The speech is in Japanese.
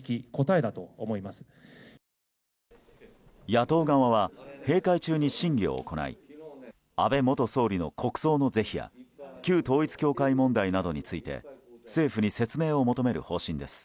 野党側は閉会中に審議を行い安倍元総理の国葬の是非や旧統一教会問題などについて政府に説明を求める方針です。